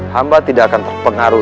hamba tidak akan terpengaruh